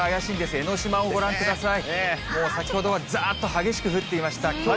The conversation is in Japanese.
江の島をご覧ください。